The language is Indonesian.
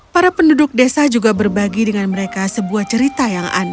para penduduk desa juga berbagi dengan mereka sebuah cerita yang aneh